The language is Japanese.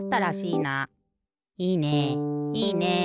いいね。